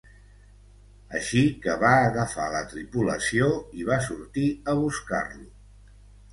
Així que va agafar la tripulació i va sortir a buscar-lo.